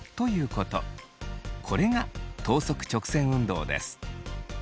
これが等速直線運動です。